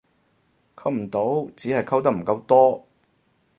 溝唔到只係溝得唔夠多